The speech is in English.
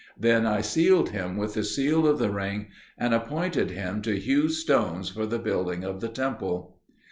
Then I sealed him with the seal of the ring, and appointed him to hew stones for the building of the temple.